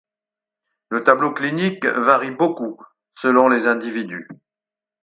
Le tableau clinique varie beaucoup selon les individus.